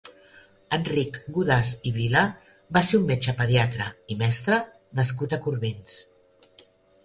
Enric Godàs i Vilà va ser un metge pediatre i mestre nascut a Corbins.